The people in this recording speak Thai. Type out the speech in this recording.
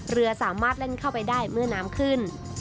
เรือสามารถแล่นเข้าไปได้เมื่อน้ำขึ้น